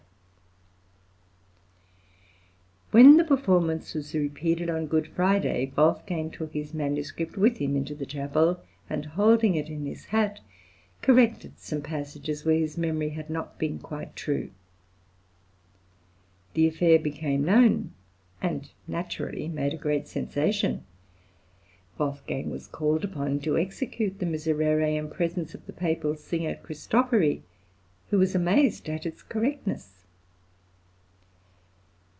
When the performance was repeated on Good Friday, Wolfgang took his manuscript with him into the chapel, and holding it in his hat, corrected some passages where his memory had not been quite true. The affair became known, and naturally made a great sensation; Wolfgang was called upon to execute the Miserere in presence of the Papal singer Christofori, who was amazed at its correctness.